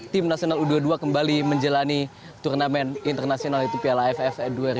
tim nasional u dua puluh dua kembali menjalani turnamen internasional yaitu piala aff dua ribu dua puluh